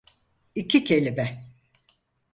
İki kelime.